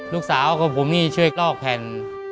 ลูกสาวของผมนี่ช่วยกรอกแผ่น